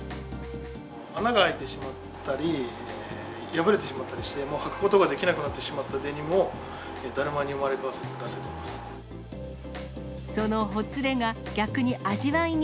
穴が開いてしまったり、破れてしまったりして、もうはくことができなくなってしまったデニムを、だるまに生まれそのほつれが、逆に味わいに。